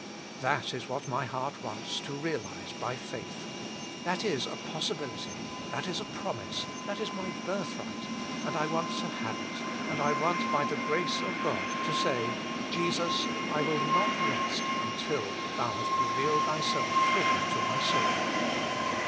Jesus Himself. 29 That is what my heart wants to real ize by faith ; that is a possibility, that is a promise, that is my birthright, and I want to have it, and I want by the grace of God to say, <« Jesus, I will not rest until Thou hast revealed Thyself full}' to my soul."